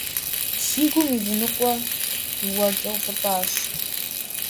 Си гум и зы ныкъуэр уэркӀэ уфӀыцӀащ.